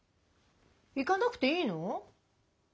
行かなくていいの？